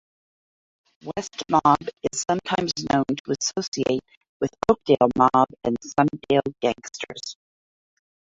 Westmob is sometimes known to associate with Oakdale Mob and Sunnydale gangters.